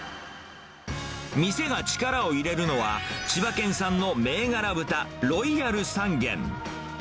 店が力を入れるのは、千葉県産の銘柄豚、ロイヤル三元。